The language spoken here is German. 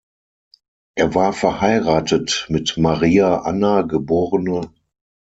Er war verheiratet mit Maria Anna geb.